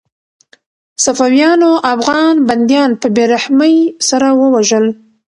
صفویانو افغان بندیان په بې رحمۍ سره ووژل.